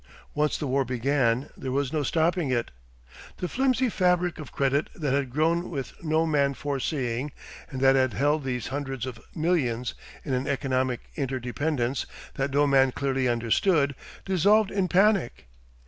Once the war began there was no stopping it. The flimsy fabric of credit that had grown with no man foreseeing, and that had held those hundreds of millions in an economic interdependence that no man clearly understood, dissolved in panic.